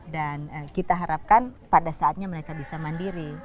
dan kita harapkan pada saatnya mereka bisa mandiri